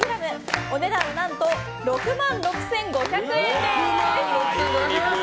お値段、何と６万６５００円です。